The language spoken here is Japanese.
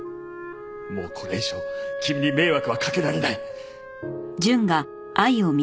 もうこれ以上君に迷惑はかけられない。